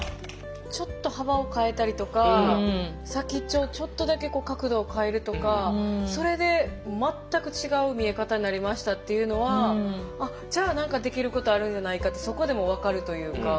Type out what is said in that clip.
ちょっと幅を変えたりとか先っちょをちょっとだけ角度を変えるとかそれで全く違う見え方になりましたっていうのはじゃあ何かできることあるんじゃないかってそこでもう分かるというか。